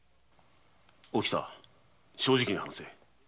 おきた正直に話せ。